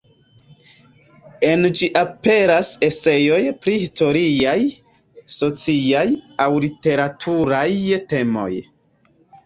En ĝi aperas eseoj pri historiaj, sociaj aŭ literaturaj temoj.